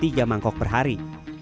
dan tiga rupiah mangkok per hari